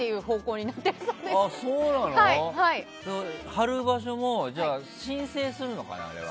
貼る場所もじゃあ申請するのかな、あれは。